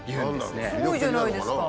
すごいじゃないですか。